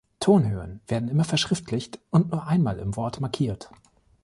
Tonhöhen werden immer verschriftlicht und nur einmal im Wort markiert.